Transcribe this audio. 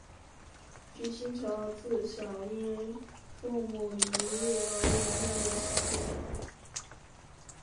菊梓乔自小因父母离异而与妹妹相依为命。